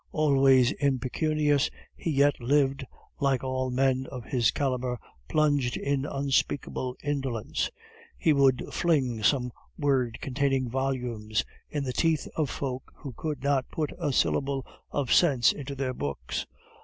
Always impecunious, he yet lived, like all men of his calibre, plunged in unspeakable indolence. He would fling some word containing volumes in the teeth of folk who could not put a syllable of sense into their books.